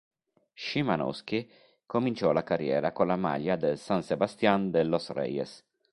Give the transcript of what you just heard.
Szymanowski cominciò la carriera con la maglia del San Sebastián de los Reyes.